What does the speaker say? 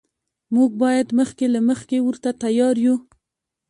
موږ باید مخکې له مخکې ورته تیار یو.